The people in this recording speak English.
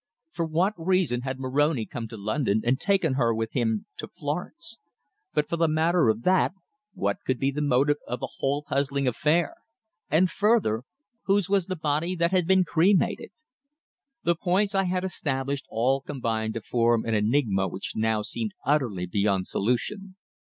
For what reason had Moroni come to London and taken her with him to Florence? But for the matter of that, what could be the motive of the whole puzzling affair and further, whose was the body that had been cremated? The points I had established all combined to form an enigma which now seemed utterly beyond solution.